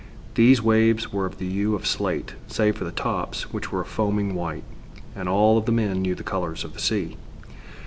These waves were of the hue of slate, save for the tops, which were of foaming white, and all of the men knew the colors of the sea.